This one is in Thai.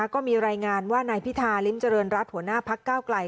ก็มีรายงานว่านายพิธาริมเจริญรัฐหัวหน้าพักเก้าไกล